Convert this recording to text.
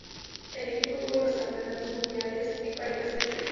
El equipo tuvo los Campeonatos Mundiales en Parejas tres veces.